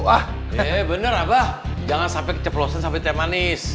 wah benar abah jangan sampai keceplosan sampai teh manis